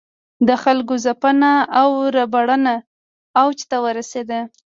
د خلکو ځپنه او ربړونه اوج ته ورسېدل.